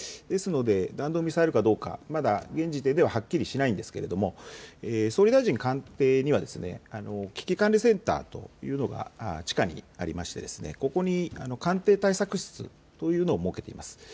ですので弾道ミサイルかどうかまだ現時点でははっきりしないんですけど、総理大臣官邸には、危機管理センターというのが地下にありましてここに官邸対策室というのを設けています。